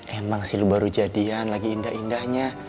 emang sih baru jadian lagi indah indahnya